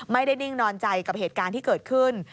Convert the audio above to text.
นิ่งนอนใจกับเหตุการณ์ที่เกิดขึ้น